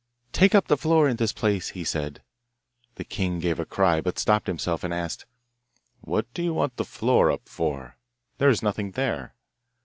'Take up the floor in this place,' he said. The king gave a cry, but stopped himself, and asked, 'What do you want the floor up for? There is nothing there.